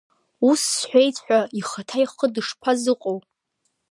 Ус сҳәеит ҳәа, ихаҭа ихы дышԥазыҟоу?